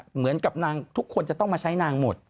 เหมือนกับนางทุกคนจะต้องมาใช้นางหมด